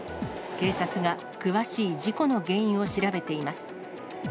警察が詳しい事故の原因を調べています。